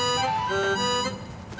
assalamualaikum warahmatullahi wabarakatuh